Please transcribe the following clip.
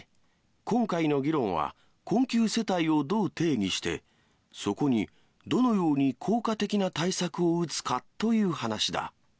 今回の議論は、困窮世帯をどう定義して、そこにどのように効果的な対策を打つかという話だ。